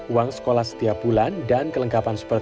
uang sekolah setiap bulan dan kelengkapan sekolah